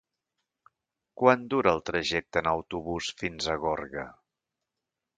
Quant dura el trajecte en autobús fins a Gorga?